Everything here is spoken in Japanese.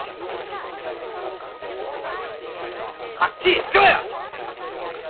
はっきりしろよ！